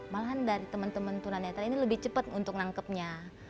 malahan dari teman teman tunanetra ini lebih cepat untuk nangkepnya